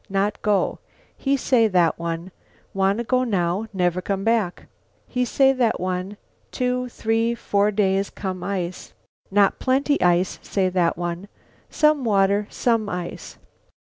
Not go.' He say, that one, 'Wanna go now; never come back.' He say, that one, 'Two, three, four days come ice. Not plenty ice,' say that one. 'Some water, some ice.